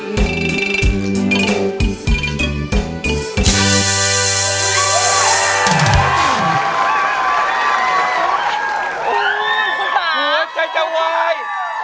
หัวใจจะวาย